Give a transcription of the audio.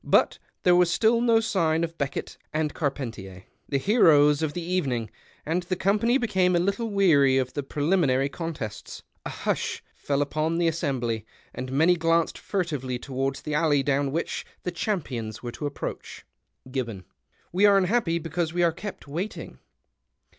But there was still no sign of Heekitt and C'ar |)entier, the heroes of the evening, and the eonipanv became a little weary of the jH eliniinary contests. \ hush fell upon the assembly, and many glanced furtively towards the alley down which the cham pions were to approach. (iinnoN. —'' \\V are un happy because wc arc ke|)t waiting.